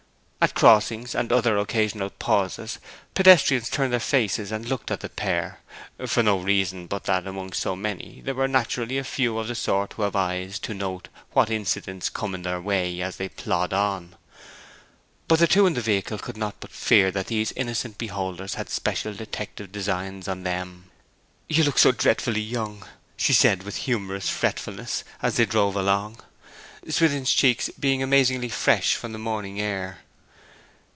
At crossings, and other occasional pauses, pedestrians turned their faces and looked at the pair (for no reason but that, among so many, there were naturally a few of the sort who have eyes to note what incidents come in their way as they plod on); but the two in the vehicle could not but fear that these innocent beholders had special detective designs on them. 'You look so dreadfully young!' she said with humorous fretfulness, as they drove along (Swithin's cheeks being amazingly fresh from the morning air).